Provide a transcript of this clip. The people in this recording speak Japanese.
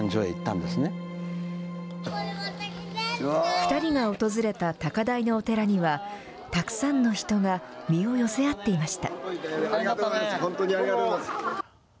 ２人が訪れた高台のお寺には、たくさんの人が身を寄せ合っていました。